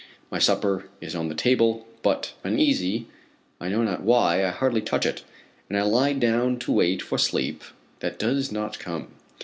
My supper is on the table, but uneasy, I know not why, I hardly touch it, and lie down to wait for sleep that does not come.